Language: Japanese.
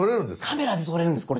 カメラで撮れるんですこれ。